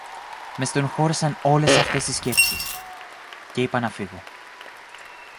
Με στενοχώρεσαν όλες αυτές οι σκέψεις, και είπα να φύγω